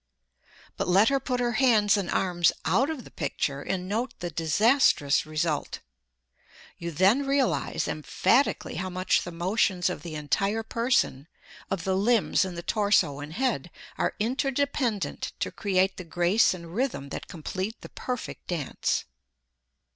But let her put her hands and arms out of the picture and note the disastrous result. You then realize emphatically how much the motions of the entire person, of the limbs and the torso and head, are interdependent to create the grace and rhythm that complete the perfect dance.